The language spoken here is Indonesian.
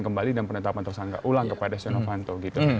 kembali dan penetapan tersangka ulang kepada stenovanto